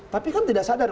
tapi kan tidak sadar